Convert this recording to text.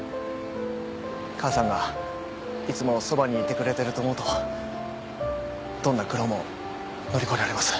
母さんがいつもそばにいてくれてると思うとどんな苦労も乗り越えられます。